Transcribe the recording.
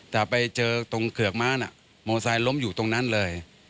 แต่ไปเจอตรงเขือกม้าน่ะมอไซค์ล้มอยู่ตรงนั้นเลย